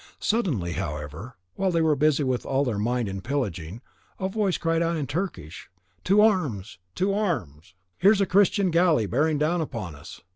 Suddenly, however, while they were busy with all their might in pillaging, a voice cried out in Turkish, "To arms! to arms! Here's a Christian galley bearing down upon us!"